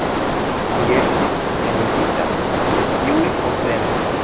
Li estis senigita de tiuj postenoj.